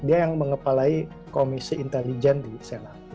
dia yang mengepalai komisi intelijen di senam